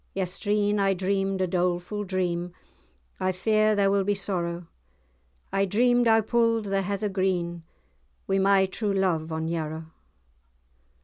"Yestreen I dreamed a dolefu' dream, I fear there will be sorrow! I dreamed I pu'd the heather green, Wi' my true love on Yarrow.